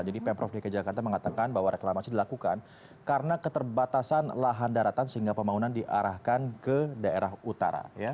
jadi pemprov dki jakarta mengatakan bahwa reklamasi dilakukan karena keterbatasan lahan daratan sehingga pembangunan diarahkan ke daerah utara